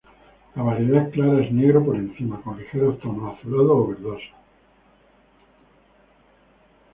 La variedad clara es negro por encima, con ligeros tonos azulados o verdosos.